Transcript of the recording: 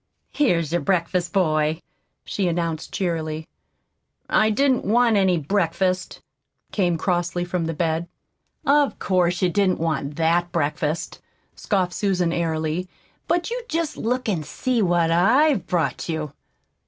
"Here's your breakfast, boy," she announced cheerily. "I didn't want any breakfast," came crossly from the bed. "Of course you didn't want THAT breakfast," scoffed Susan airily; "but you just look an' see what I'VE brought you!"